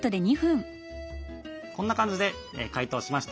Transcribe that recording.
こんな感じで解凍しました。